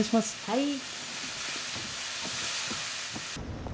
はい。